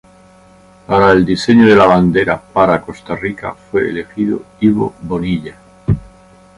Para el diseño de la bandera para Costa Rica fue elegido Ibo Bonilla.